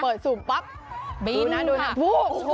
เปิดซูมปั๊ปเบีนค่ะ